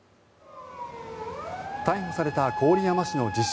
逮捕された郡山市の自称